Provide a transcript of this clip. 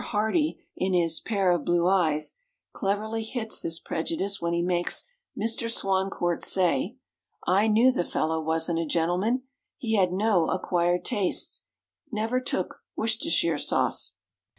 Hardy, in his "Pair of Blue Eyes," cleverly hits this prejudice when he makes Mr. Swancourt say, "I knew the fellow wasn't a gentleman; he had no acquired tastes, never took Worcestershire sauce."